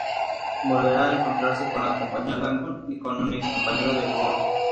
Volverá a encontrarse con la compañía Lagoon y con un ex-compañero de Cuba.